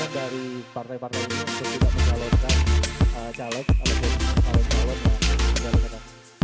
dari partai partai yang tidak menjalankan calon calonnya